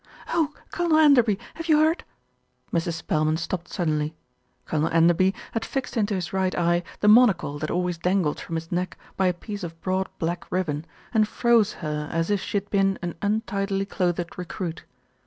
"Oh! Colonel Enderby, have vou heard ?" Mrs. Spelman stopped suddenly. Colonel Enderby had fixed into his right eye the monocle that always dangled from his neck by a piece of broad black ribbon, and froze her as if she had been an untidily clothed recruit.